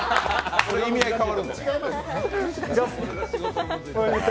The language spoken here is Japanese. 意味合い変わるんでね。